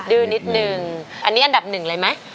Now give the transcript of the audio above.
ดื้อนิดนึงอันนี้อันดับหนึ่งเลยไหม